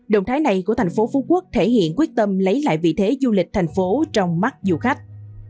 động thái này của thành phố phú quốc thể hiện quyết tâm lấy lại vị thế du lịch thành phố trong mắt du khách